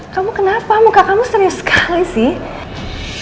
kamu kenapa muka kamu serius sekali sih